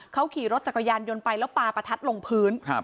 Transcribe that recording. เขาขี่รถจักรยานยนต์ไปแล้วปลาประทัดลงพื้น